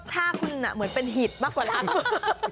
ภาพคุณเหมือนเป็นหิดมากกว่าล้างมือ